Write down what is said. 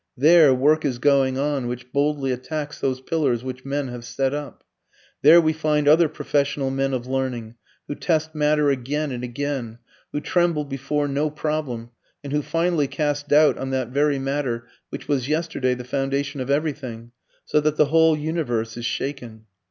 There work is going on which boldly attacks those pillars which men have set up. There we find other professional men of learning who test matter again and again, who tremble before no problem, and who finally cast doubt on that very matter which was yesterday the foundation of everything, so that the whole universe is shaken.